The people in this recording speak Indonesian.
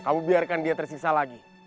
kamu biarkan dia tersisa lagi